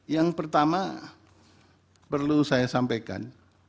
yang pertama perlu saya sampaikan